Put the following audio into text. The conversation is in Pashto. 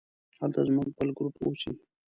هلته زموږ بل ګروپ اوسي.